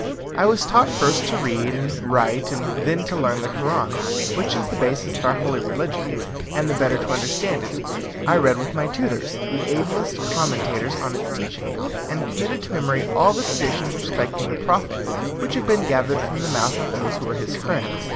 I was taught first to read and write, and then to learn the Koran, which is the basis of our holy religion, and the better to understand it, I read with my tutors the ablest commentators on its teaching, and committed to memory all the traditions respecting the Prophet, which have been gathered from the mouth of those who were his friends.